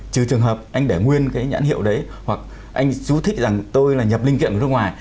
trừ trường hợp anh để nguyên cái nhãn hiệu đấy hoặc anh chú thích rằng tôi là nhập linh kiện ở nước ngoài